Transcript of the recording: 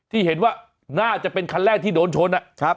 ที่เห็นว่าน่าจะเป็นคันแรกที่โดนชน